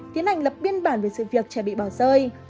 tiến hành lập biên bản về sự việc trẻ bị bỏ rơi